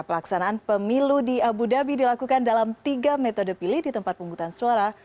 pelaksanaan pemilu di abu dhabi dilakukan dalam tiga metode pilih di tempat penghutang suara